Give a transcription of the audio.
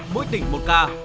mỗi tỉnh một ca